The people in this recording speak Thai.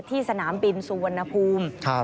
สนามบินสุวรรณภูมิ